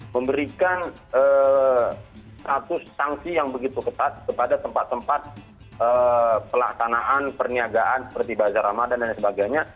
memberikan status sanksi yang begitu ketat kepada tempat tempat pelaksanaan perniagaan seperti bazar ramadan dan sebagainya